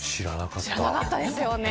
知らなかったですよね。